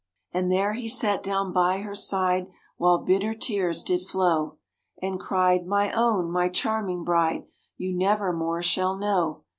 And there he sat down by her side while bitter tears did flow, And cried, "My own, my charming bride, you nevermore shall know."